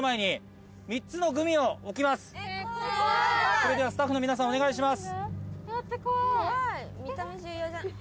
それではスタッフの皆さんお願いします。